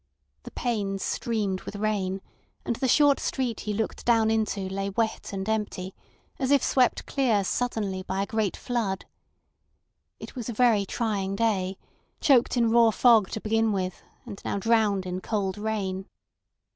The panes streamed with rain, and the short street he looked down into lay wet and empty, as if swept clear suddenly by a great flood. It was a very trying day, choked in raw fog to begin with, and now drowned in cold rain.